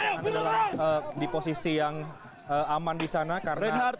baik vanno pasti di posisi yang aman di sana karena